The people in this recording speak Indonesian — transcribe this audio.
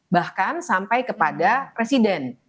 bahkan sampai kepada presiden